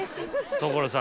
所さん